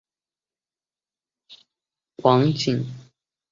其子王景。